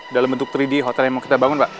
dalam bentuk tiga d hotel yang mau kita bangun pak